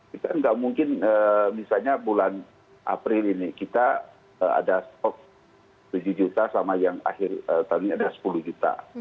kita nggak mungkin misalnya bulan april ini kita ada stok tujuh juta sama yang akhir tahun ini ada sepuluh juta